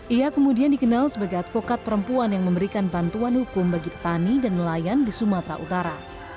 ia kemudian dikenal sebagai advokat perempuan yang memberikan bantuan hukum bagi petani dan nelayan di sumatera utara